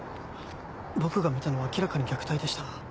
僕が見たのは明らかに虐待でした。